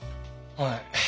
はい。